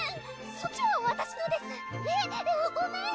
そっちはわたしのです・・えっ⁉ごめん！